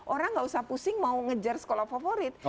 orang tidak usah pusing mau mengejar sekolah favorit